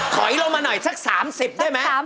ขอยลงมาหน่อยสัก๓๐ได้มั้ย